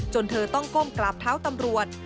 เธอต้องก้มกราบเท้าตำรวจ